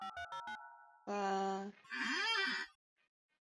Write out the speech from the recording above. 苯基三甲基氟化铵是一种季铵盐。